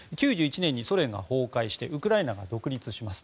９１年にソ連が崩壊してウクライナが独立します。